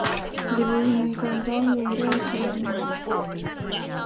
Robinson lived in Berwyn, Pennsylvania, a suburb of Philadelphia.